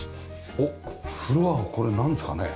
おっフロアはこれなんですかね？